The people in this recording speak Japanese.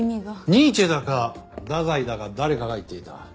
ニーチェだか太宰だか誰かが言っていた。